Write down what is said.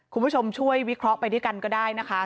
คุณผู้ชมช่วยวิเคราะห์ไปด้วยกันก็ได้นะคะ